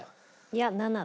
いや７だ。